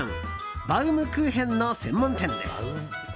バウムクーヘンの専門店です。